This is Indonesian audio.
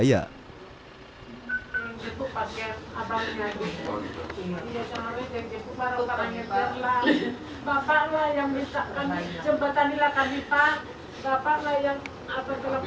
bapaklah yang menjemputkan jembatan nilakan nipah bapaklah yang atur telepon ke sana